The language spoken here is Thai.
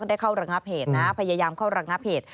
ได้เข้าระงับเหตุนะพยายามเข้าระงับเหตุ